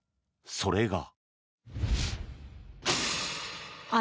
それが。